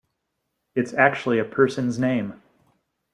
It's actually a person's name.